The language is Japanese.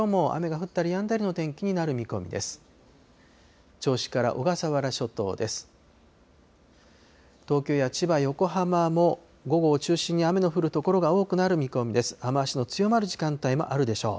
雨足の強まる時間帯もあるでしょう。